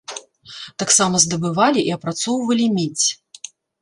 Таксама здабывалі і апрацоўвалі медзь.